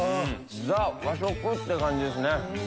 ザ和食って感じですね。